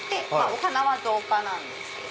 お花は造花なんですけど。